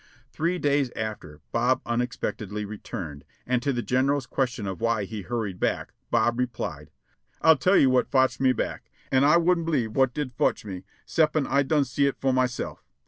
Three days after, Bob unexpectedly returned, and to the General's question of why he hurried back, Bob replied : "I'll tell you what fotched me back. 'N I wouldn' bleeve what did fotch me 'cep'in' I done see it for myself.